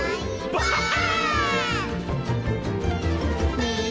ばあっ！